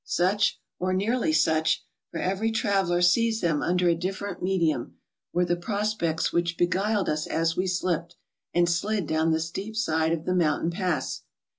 ! Such, or nearly such, for every traveller sees them i under a different medium, were the prospects which ^ beguiled us as we slipped and slid down the steep j side of the mountain pass.